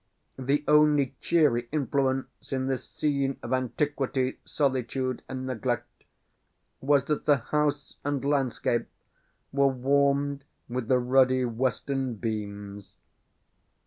The only cheery influence in this scene of antiquity, solitude, and neglect was that the house and landscape were warmed with the ruddy western beams.